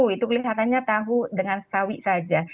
itu kelihatannya tahu dengan sawi saja